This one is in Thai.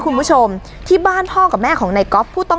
สลับผัดเปลี่ยนกันงมค้นหาต่อเนื่อง๑๐ชั่วโมงด้วยกัน